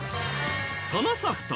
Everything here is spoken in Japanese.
そのソフト